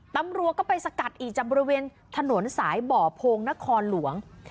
ตำรวจก็ไปสกัดอีกจากบริเวณถนนสายบ่อโพงนครหลวง